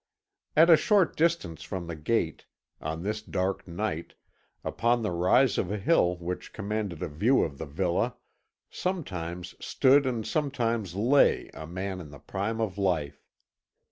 At a short distance from the gate, on this dark night, upon the rise of a hill which commanded a view of the villa, sometimes stood and sometimes lay a man in the prime of life.